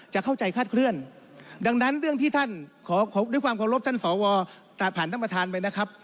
จะเข้าใจคาดเคลื่อนดังนั้นเรื่องที่ท่านขอด้วยความเคารพท่านสวผ่านท่านประธานไปนะครับ